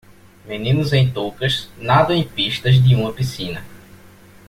Meninos em toucas nadam em pistas de uma piscina.